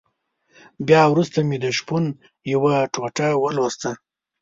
بيا وروسته مې د شپون يوه ټوټه ولوستله.